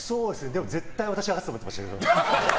でも絶対私が勝つと思ってました。